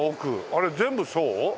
あれ全部そう？